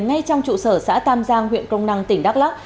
ngay trong trụ sở xã tam giang huyện crong năng tỉnh đắk lắc